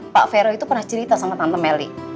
pak vero itu pernah cerita sama tante meli